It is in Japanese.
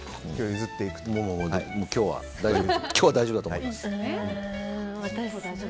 もう今日は大丈夫だと思います。